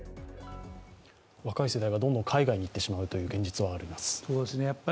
若い世代がどんどん海外に行ってしまうという現実はあります。